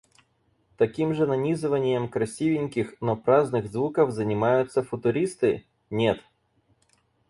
Таким же нанизыванием красивеньких, но праздных звуков занимаются футуристы? Нет.